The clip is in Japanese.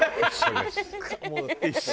一緒。